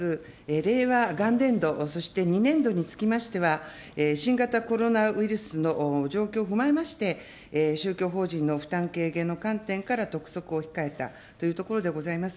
令和元年度、そして２年度につきましては、新型コロナウイルスの状況を踏まえまして、宗教法人の負担軽減の観点から督促を控えたというところでございます。